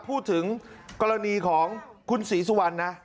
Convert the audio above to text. พูดถึงกรณีของคุณศรีสุวรรณนะ